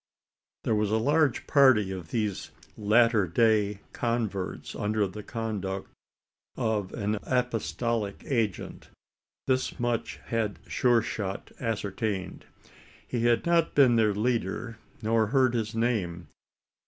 There was a large party of these "Latter day" converts under the conduct of an apostolic agent. This much had Sure shot ascertained. He had not seen their leader, nor heard his name.